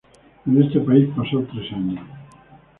En este país pasó tres años.